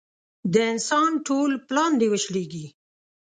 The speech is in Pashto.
د انسان ټول پلان دې وشړېږي.